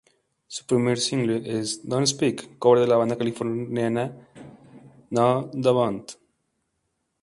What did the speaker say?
Su primer single es "Don't Speak" cover de la banda californiana No Doubt.